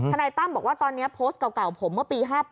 นายตั้มบอกว่าตอนนี้โพสต์เก่าผมเมื่อปี๕๘